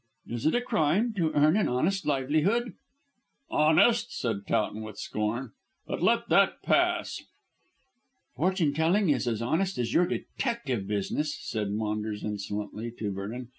"Is it a crime to earn an honest livelihood?" "Honest!" said Towton with scorn, "but let that pass." "Fortune telling is as honest as your detective business," said Maunders insolently to Vernon.